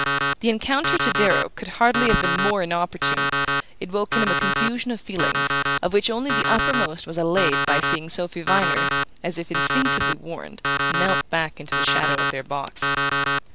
The encounter, to Darrow, could hardly have been more inopportune; it woke in him a confusion of feelings of which only the uppermost was allayed by seeing Sophy Viner, as if instinctively warned, melt back into the shadow of their box.